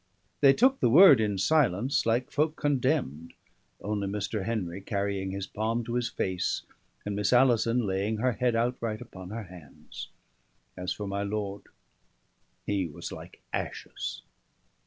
They took the word in silence like folk condemned; only Mr. Henry carrying his palm to his face, and Miss Alison laying her head outright upon her hands. As for my lord, he was like ashes.